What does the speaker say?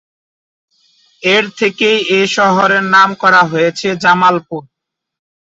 এর থেকেই এই শহরের নাম করা হয়েছে জামালপুর।